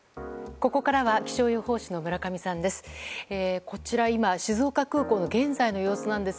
ここからは気象予報士の村上さんです。